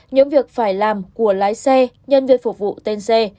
những việc phải làm của lái xe nhân viên phục vụ tên xe